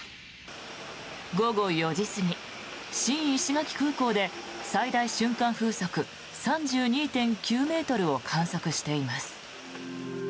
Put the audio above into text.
午後４時過ぎ、新石垣空港で最大瞬間風速３２．９ｍを観測しています。